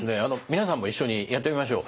皆さんも一緒にやってみましょう。